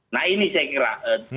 nah ini saya kira